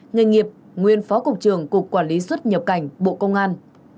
nghề nghiệp nguyên phó cục trưởng cục quản lý xuất nhập cảnh bộ công an